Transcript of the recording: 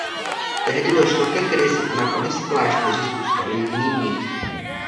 Tehdy došlo ke krizi a nakonec v klášteře zůstal jediný mnich.